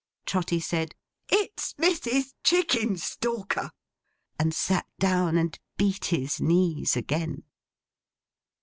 Trotty said, 'It's Mrs. Chickenstalker!' And sat down and beat his knees again.